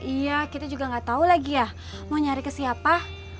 iya kita juga nggak tahu lagi ya mau nyari ke siapa